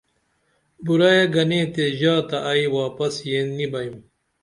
بُرعیے گنے تے ژا تہ ائی واپس یین نی بئیم